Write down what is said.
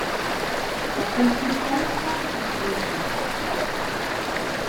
La consistenza è fondente.